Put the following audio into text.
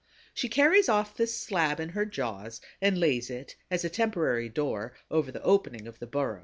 She carries off this slab in her jaws and lays it, as a temporary door, over the opening of the burrow.